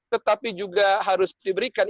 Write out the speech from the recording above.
tetapi juga harus diberikan